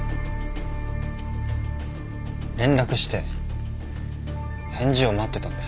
連絡して返事を待ってたんです。